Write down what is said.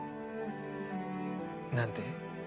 何て？